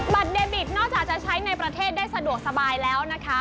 เดบิตนอกจากจะใช้ในประเทศได้สะดวกสบายแล้วนะคะ